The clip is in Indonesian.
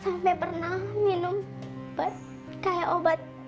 sampai pernah minum plus kayak obat